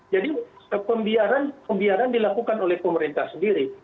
jadi pembiaran dilakukan oleh pemerintah sendiri